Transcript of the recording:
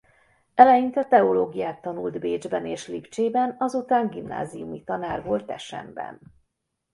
Eleinte teológiát tanult Bécsben és Lipcsében azután gimnáziumi tanár volt Teschenben.